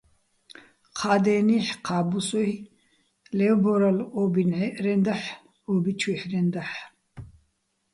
ჴა დენიჰ̦, ჴა ბუსუ́ჲ ლე́ვბორალო̆ ო́ბი ნჵაჲჸრენდაჰ̦, ო́ბი ჩუჲჰ̦რენდაჰ̦.